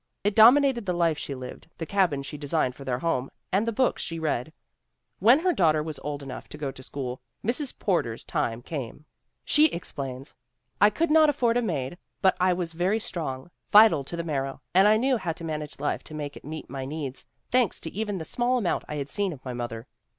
"It dominated the life she lived, the cabin she designed for their home, and the books she read. When her daughter was old enough to go to school, Mrs. Porter's time came."; She explains :" 'I could not afford a maid, but I was very strong, vital to the marrow, and I knew how to manage life to make it meet my needs, thanks to even the small amount I had seen of my mother.